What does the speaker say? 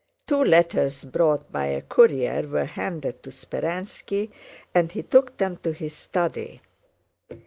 Two letters brought by a courier were handed to Speránski and he took them to his study.